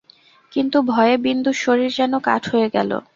কিন্তু, ভয়ে বিন্দুর শরীর যেন কাঠ হয়ে গেল।